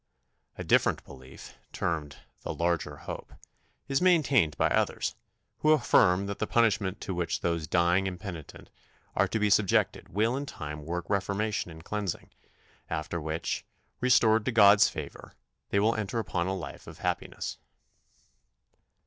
A different belief, termed "The Larger Hope," is maintained by others, who affirm that the punishment to which those dying impenitent are to be subjected will in time work reformation and cleansing, after which, restored to God's favour, they will enter upon a life of happiness.